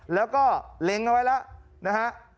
แล้วก็เล็งเอาไว้แล้วนะฮะ